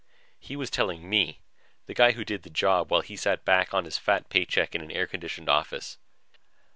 He was telling me the guy who did the job while he sat back on his fat paycheck in an air conditioned office.